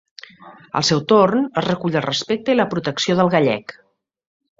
Al seu torn, es recull el respecte i la protecció del gallec.